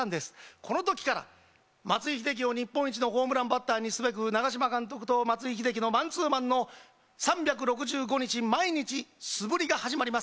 このときから、松井秀喜を日本一のホームランバッターにすべく長嶋監督と松井秀喜のマンツーマンの３６５日毎日素振りが始まります。